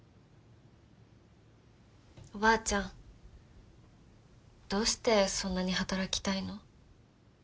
おばあちゃんどうしてそんなに働きたいの？